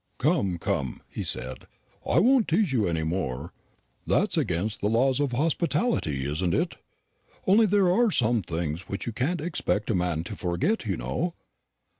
"Come, come," he said, "I won't tease you any more. That's against the laws of hospitality, isn't it? only there are some things which you can't expect a man to forget, you know.